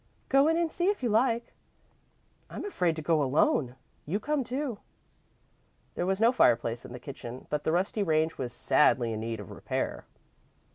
"Go in and see, if you like." "I'm afraid to go alone. You come, too." There was no fireplace in the kitchen, but the rusty range was sadly in need of repair.